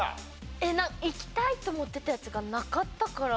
いきたいと思ってたやつがなかったから。